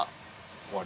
終わり。